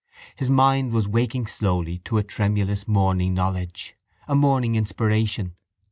His mind was waking slowly to a tremulous morning knowledge, a morning inspiration.